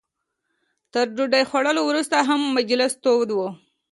تر ډوډۍ خوړلو وروسته هم مجلس تود و.